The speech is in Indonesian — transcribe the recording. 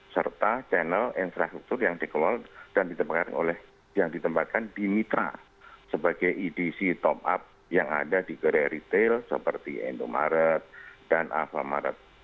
serta channel infrastruktur yang dikelola dan yang ditempatkan di mitra sebagai edc top up yang ada di korea retail seperti endomaret dan alfamaret